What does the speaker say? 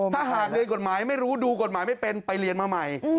ถ้าหากเรียนกฎหมายไม่รู้ดูกฎหมายไม่เป็นไปเรียนมาใหม่